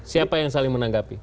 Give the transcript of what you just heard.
siapa yang saling menanggapi